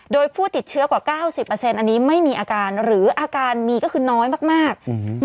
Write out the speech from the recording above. โดยผู้ติดเชื้อกว่าเก้าสิบเปอร์เซ็นต์อันนี้ไม่มีอาการหรืออาการมีก็คือน้อยมากมากอืม